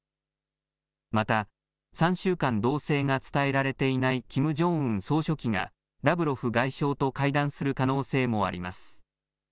また３週間動静が伝えられていないキム・ジョンウン総書記がラブロフ外相と会談する可能性もあります。